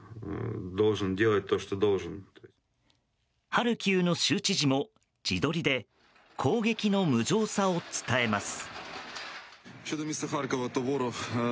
ハルキウの州知事も自撮りで攻撃の無情さを伝えます。